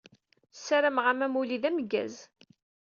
Sarameɣ-am amulli d ameggaz.